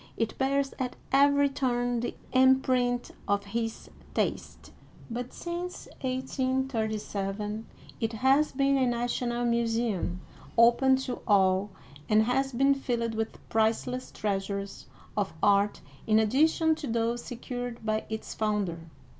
it bears at every turn the imprint of his taste ; but since 1837 it has been a national museum, open to all, and has been filled with priceless treasures of art in addition to those secured by its founder.